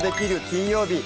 金曜日」